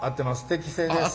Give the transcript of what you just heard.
適正です。